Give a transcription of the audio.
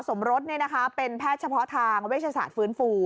สมรสเป็นแพทย์เฉพาะทางเวชศาสตร์ฟื้นฟู